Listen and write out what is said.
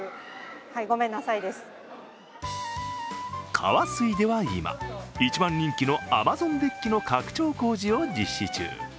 カワスイでは今、１番人気のアマゾンデッキの拡張工事を実施中。